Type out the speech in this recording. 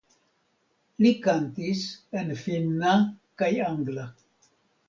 Li kantis en finna kaj angla.